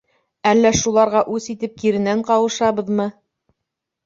Әллә шуларға үс итеп киренән ҡауышабыҙмы?